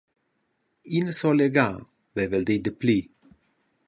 Ina solia ga veva el detg dapli.